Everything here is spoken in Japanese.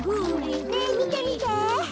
ねえみてみて。